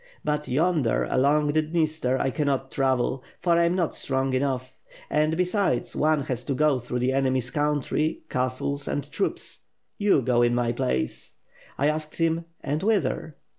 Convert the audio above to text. But, yonder, along the Dniester, I cannot travel; for I am not strong enough. And, besides, one has to go through the enemy's country, castles and troops — ^you go in my place.' I asked him, 'And whither?'